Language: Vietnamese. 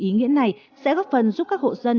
ý nghĩa này sẽ góp phần giúp các hộ dân